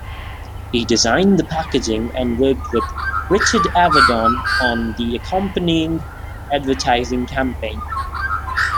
He designed the packaging and worked with Richard Avedon on the accompanying advertising campaign.